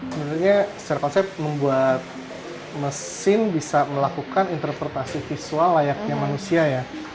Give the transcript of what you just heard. sebenarnya secara konsep membuat mesin bisa melakukan interpretasi visual layaknya manusia ya